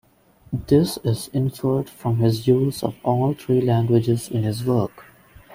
This is inferred from his use of all three languages in his works.